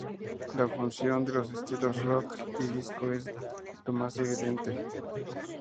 La fusión de los estilos rock y disco es la más evidente.